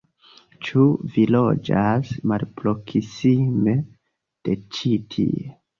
Ĉu vi loĝas malproksime de ĉi tie?